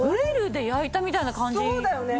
そうだよね！